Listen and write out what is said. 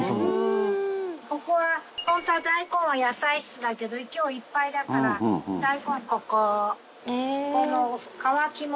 ここは本当は大根は野菜室だけど今日いっぱいだから大根ここ。